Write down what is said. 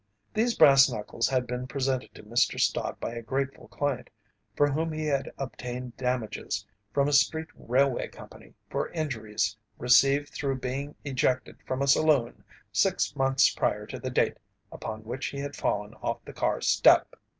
These brass knuckles had been presented to Mr. Stott by a grateful client for whom he had obtained damages from a street railway company for injuries received through being ejected from a saloon six months prior to the date upon which he had fallen off the car step.